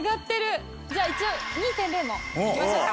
じゃあ一応２．０もいきましょうか。